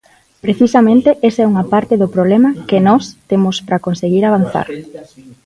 Precisamente esa é unha parte do problema que nós temos para conseguir avanzar.